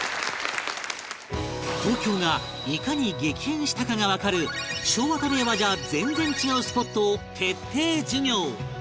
東京がいかに激変したかがわかる昭和と令和じゃ全然違うスポットを徹底授業